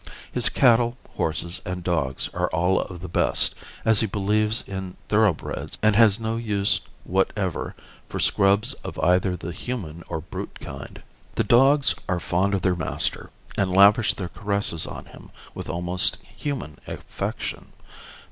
His cattle, horses and dogs are all of the best, as he believes in thoroughbreds and has no use whatever for scrubs of either the human or brute kind. The dogs are fond of their master and lavish their caresses on him with almost human affection.